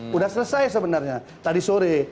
sudah selesai sebenarnya tadi sore